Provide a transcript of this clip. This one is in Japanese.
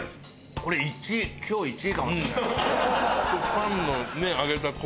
これ１位今日１位かもしれない。